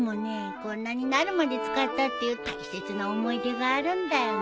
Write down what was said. こんなになるまで使ったっていう大切な思い出があるんだよね。